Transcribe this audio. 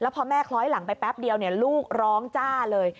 พอแม่คล้อยหลังไปแป๊บเดียวลูกร้องจ้าเลย